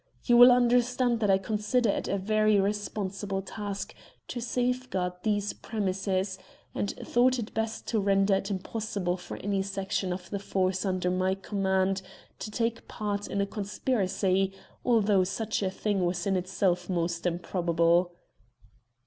You will understand that I considered it a very responsible task to safeguard these premises, and thought it best to render it impossible for any section of the force under my command to take part in a conspiracy, although such a thing was in itself most improbable."